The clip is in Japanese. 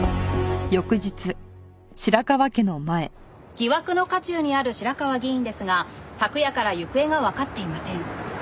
疑惑の渦中にある白河議員ですが昨夜から行方がわかっていません。